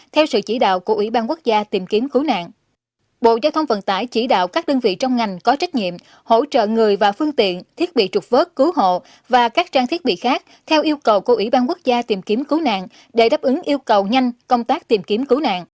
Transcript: theo thông vận tải chỉ đạo các đơn vị trong ngành có trách nhiệm hỗ trợ người và phương tiện thiết bị trục vớt cứu hộ và các trang thiết bị khác theo yêu cầu của ủy ban quốc gia tìm kiếm cứu nạn để đáp ứng yêu cầu nhanh công tác tìm kiếm cứu nạn